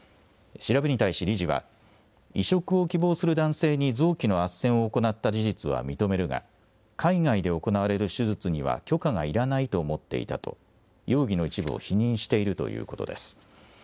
調べに対し理事は、移植を希望する男性に臓器のあっせんを行った事実は認めるが、海外で行われる手術には許可がいらないと思っていたと、容疑の一部を否認しているということです。